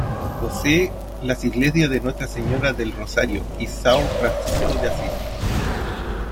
Posee las iglesias de Nuestra Señora del Rosário y São Francisco de Assis.